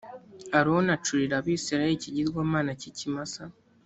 aroni acurira abisirayeli ikigirwamana cy ikimasa